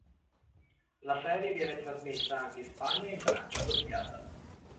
La serie viene trasmessa anche in Spagna e in Francia, doppiata.